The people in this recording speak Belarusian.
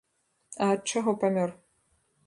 А ад чаго памёр?